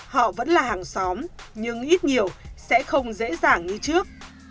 họ vẫn là hàng xóm nhưng ít nhiều sẽ không dễ dàng như trước